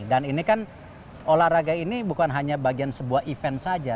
dan ini kan olahraga ini bukan hanya bagian sebuah event saja